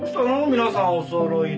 皆さんお揃いで。